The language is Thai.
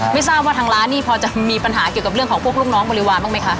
ไม่ทราบว่าทางร้านนี่พอจะมีปัญหาเกี่ยวกับเรื่องของพวกลูกน้องบริวารบ้างไหมคะ